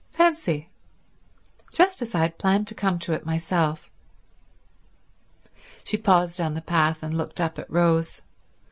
Fancy—just as I had planned to come to it myself." She paused on the path and looked up at Rose.